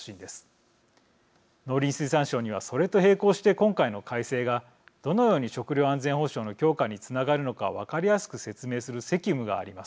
農林水産省にはそれと並行して今回の改正がどのように食料安全保障の強化につながるのか分かりやすく説明する責務があります。